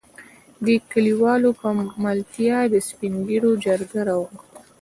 دې کليوالو په ملتيا د سپين ږېرو جرګه راوغښته.